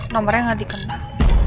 nomornya gak dikenal